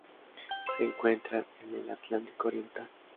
Se encuentran en el Atlántico oriental.